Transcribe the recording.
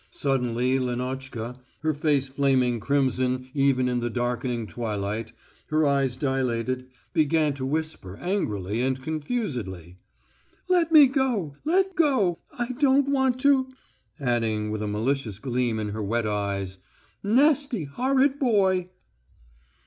Suddenly Lenotchka, her face flaming crimson even in the darkening twilight, her eyes dilated, began to whisper angrily and confusedly: "Let me go ... let go.... I don't want to...," adding with a malicious gleam in her wet eyes: "Nasty, horrid boy."